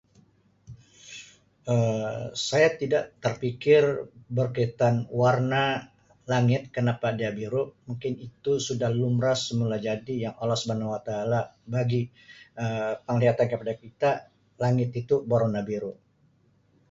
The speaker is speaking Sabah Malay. Um Saya tidak terfikir berkaitan warna langit kenapa dia biru mungkin itu sudah lumrah semulajadi yang Allah Subhanawataala bagi Um penglihatan kepada kita langit itu bewarna biru.